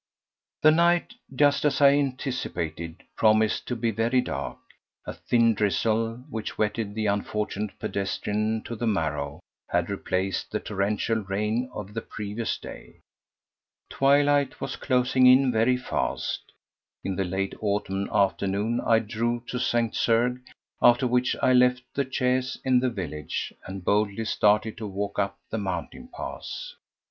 4. The night—just as I anticipated—promised to be very dark. A thin drizzle, which wetted the unfortunate pedestrian to the marrow, had replaced the torrential rain of the previous day. Twilight was closing in very fast. In the late autumn afternoon I drove to St. Cergues, after which I left the chaise in the village and boldly started to walk up the mountain pass.